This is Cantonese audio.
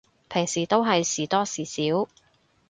平時都係時多時少